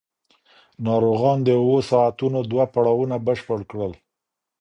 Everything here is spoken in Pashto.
ناروغان د اوو ساعتونو دوه پړاوونه بشپړ کړل.